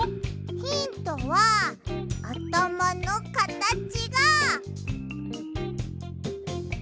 ヒントはあたまのかたちが。